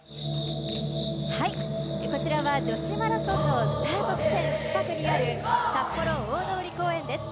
こちらは女子マラソンのスタート地点近くにある、札幌大通公園です。